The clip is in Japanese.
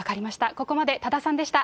ここまで多田さんでした。